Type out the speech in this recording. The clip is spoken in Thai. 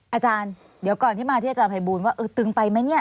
อาจารย์เดี๋ยวก่อนที่มาที่อาจารย์ภัยบูลว่าเออตึงไปไหมเนี่ย